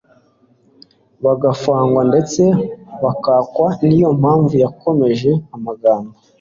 bagafungwa ndetse bakankwa. Niyo mpamvu yakomeje amagambo